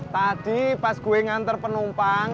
tadi pas gue nganter penumpang